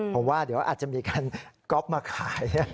ผมว่าเดี๋ยวอาจจะมีการก๊อกมาขาย